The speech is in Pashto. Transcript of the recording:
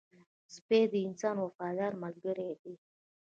سپی د انسان وفادار ملګری دی